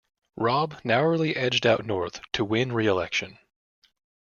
Robb narrowly edged out North to win re-election.